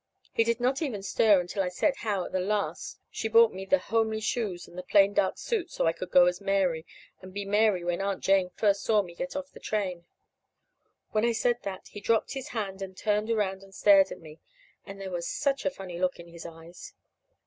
He did not even stir until I said how at the last she bought me the homely shoes and the plain dark suit so I could go as Mary, and be Mary when Aunt Jane first saw me get off the train. When I said that, he dropped his hand and turned around and stared at me. And there was such a funny look in his eyes.